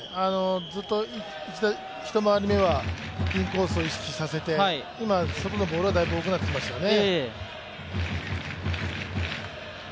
ずっと１回り目はインコースを意識させて今、外のボールがだいぶ多くなってきましたからね。